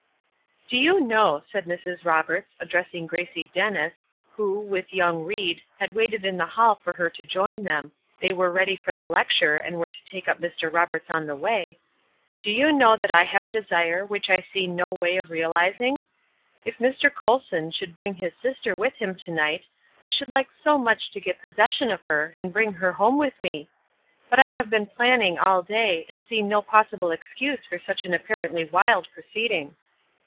"Do you know," said Mrs. Roberts, addressing Gracie Dennis, who, with young Ried, had waited in the hall for her to join them (they were ready for the lecture, and were to take up Mr. Roberts on the way): "Do you know that I have a desire which I see no way of realizing? If Mr. Colson should bring his sister with him to night I should like so much to get possession of her and bring her home with me! But I have been planning all day, and see no possible excuse for such an apparently wild proceeding."